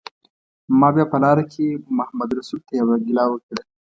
ما بیا په لاره کې محمدرسول ته یوه ګیله وکړه.